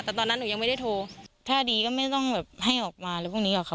แต่ตอนนั้นหนูยังไม่ได้โทรถ้าดีก็ไม่ต้องแบบให้ออกมาอะไรพวกนี้หรอกค่ะ